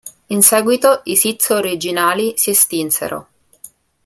In seguito i Sith originali si estinsero.